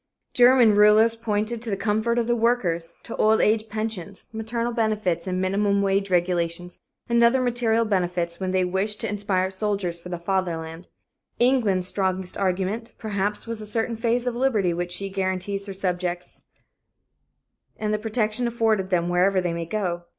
German rulers pointed to the comfort of the workers, to old age pensions, maternal benefits and minimum wage regulations, and other material benefits, when they wished to inspire soldiers for the Fatherland. England's strongest argument, perhaps, was a certain phase of liberty which she guarantees her subjects, and the protection afforded them wherever they may go.